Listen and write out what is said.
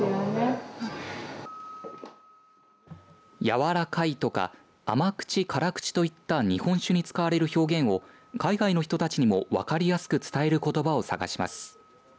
やわらかいとか甘口、辛口といった日本酒に使われる表現を海外の人たちにも分かりやすく伝えることばを探します。